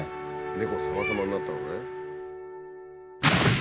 猫さまさまになったのね。